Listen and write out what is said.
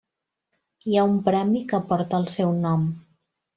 Hi ha un premi que porta el seu nom.